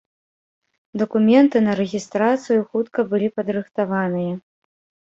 Дакументы на рэгістрацыю хутка былі падрыхтаваныя.